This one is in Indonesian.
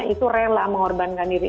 itu rela mengorbankan diri